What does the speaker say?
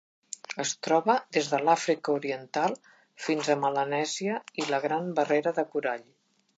Es troba des de l'Àfrica Oriental fins a Melanèsia i la Gran Barrera de Corall.